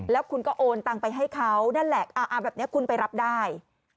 แล้วคุณก็โอนตังไปให้เขานั่นแหละแบบนี้คุณไปรับได้